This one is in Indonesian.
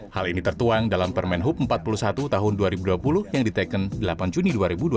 hal ini tertuang dalam permen hub empat puluh satu tahun dua ribu dua puluh yang diteken delapan juni dua ribu dua puluh